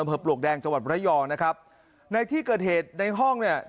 ปลวกแดงจังหวัดระยองนะครับในที่เกิดเหตุในห้องเนี่ย